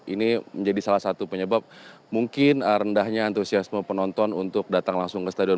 ini menjadi salah satu penyebab mungkin rendahnya antusiasme penonton untuk datang langsung ke stadion